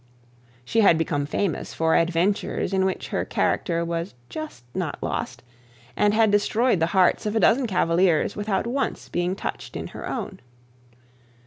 She had become famous for adventures in which her character was just not lost, and had destroyed the hearts of a dozen cavaliers without once being touched in her own.